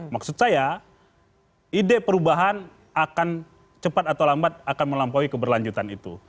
maksud saya ide perubahan akan cepat atau lambat akan melampaui keberlanjutan itu